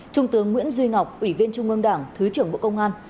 trung tướng nguyễn duy ngọc ủy viên trung ương đảng thứ trưởng bộ công an